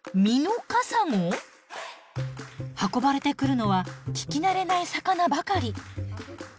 運ばれてくるのは聞き慣れない魚ばかり。